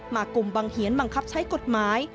กลุ่มบังเหียนบังคับใช้กฎหมาย